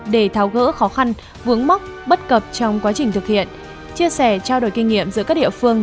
để tháo gỡ khó khăn vướng mắc bất cập trong quá trình thực hiện chia sẻ trao đổi kinh nghiệm giữa các địa phương